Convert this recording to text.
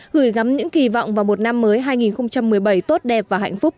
gửi gắm những kỳ vọng vào một năm mới hai nghìn một mươi bảy tốt đẹp và hạnh phúc